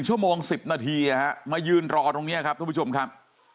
๑ชั่วโมง๑๐นาทีอะครับมายืนรอตรงเนี้ยครับทุกผู้โชว์มครับ